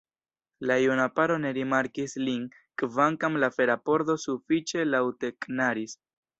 La juna paro ne rimarkis lin, kvankam la fera pordo sufiĉe laŭte knaris.